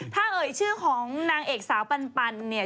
ถ้าเอ่ยชื่อของนางเอกสาวปันเนี่ย